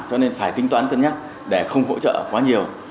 cho nên phải tính toán cân nhắc để không hỗ trợ quá nhiều